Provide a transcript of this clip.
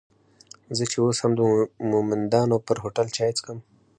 زه چې اوس هم د مومندانو پر هوټل چای څکم.